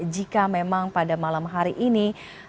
jika memang pada malam hari ini